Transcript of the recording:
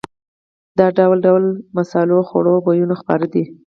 د ډول ډول مسالو او خوړو بویونه خپاره دي.